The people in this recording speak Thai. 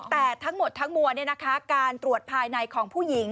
แต่ทั้งหมดทั้งมวลการตรวจภายในของผู้หญิง